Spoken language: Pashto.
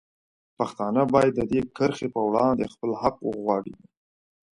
پښتانه باید د دې کرښې په وړاندې خپل حق وغواړي.